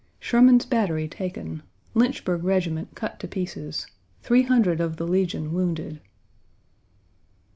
Sherman's battery taken. Lynchburg regiment cut to pieces. Three hundred of the Legion wounded."